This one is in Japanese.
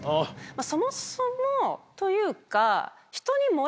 そもそもというか。